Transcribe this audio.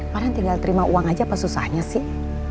paling tinggal terima uang aja apa susahnya sih